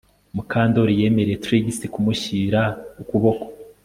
Mukandoli yemereye Trix kumushyira ukuboko